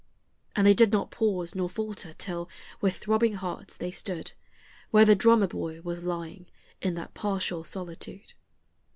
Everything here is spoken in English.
And they did not pause nor falter till, with throbbing hearts, they stood Where the drummer boy was lying in that partial solitude.